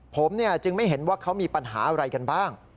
ผมจึงไม่เห็นว่าเขามีปัญหาอะไรกันบ้าง